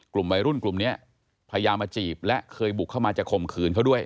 กลุ่มวัยรุ่นกลุ่มนี้พยายามมาจีบและเคยบุกเข้ามาจะข่มขืนเขาด้วย